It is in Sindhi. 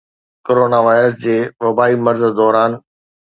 ڪرونا وائرس جي وبائي مرض دوران